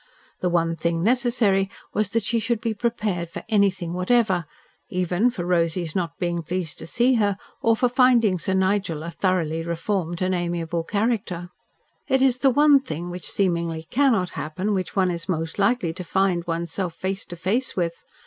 The one thing necessary was that she should be prepared for anything whatever, even for Rosy's not being pleased to see her, or for finding Sir Nigel a thoroughly reformed and amiable character. "It is the thing which seemingly CANNOT happen which one is most likely to find one's self face to face with.